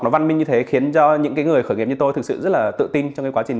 nó văn minh như thế khiến cho những người khởi nghiệp như tôi thực sự rất là tự tin trong cái quá trình